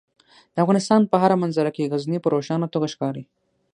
د افغانستان په هره منظره کې غزني په روښانه توګه ښکاري.